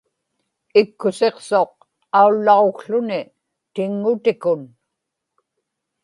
ikkusiqsuq aullaġukłuni tiŋŋutikun